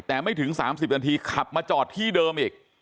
แต่ไม่ถึง๓๐นาทีขับมาจอดที่เดิมอีก